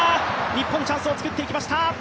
日本、チャンスを作っていきました。